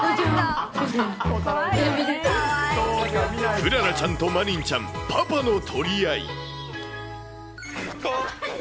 クララちゃんとマリンちゃん、パパの取り合い。